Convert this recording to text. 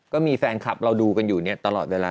ก็มีแฟนคลับเราดูกันอยู่ตลอดไปแล้ว